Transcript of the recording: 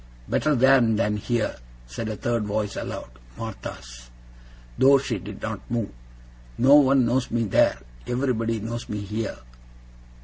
'Better there than here,' said a third voice aloud Martha's, though she did not move. 'No one knows me there. Everybody knows me here.